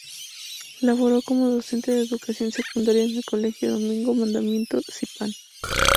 Laboró como docente de Educación Secundaria en el Colegio Domingo Mandamiento Sipán.